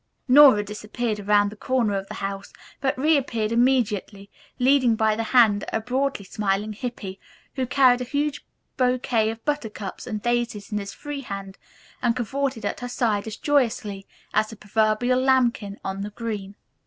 Nora disappeared around the corner of the house, but reappeared immediately, leading by the hand a broadly smiling Hippy, who carried a huge bouquet of buttercups and daisies in his free hand and cavorted at her side as joyously as the proverbial lambkin on the green.